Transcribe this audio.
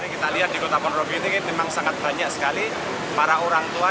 kita lihat di kota ponorogo ini memang sangat banyak sekali para orang tua